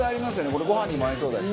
これご飯にも合いそうだしね。